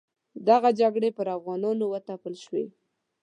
دغه جګړې پر افغانانو وتپل شوې.